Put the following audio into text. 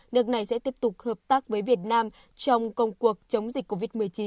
nước này sẽ tiếp tục hợp tác với việt nam trong công cuộc chống dịch covid một mươi chín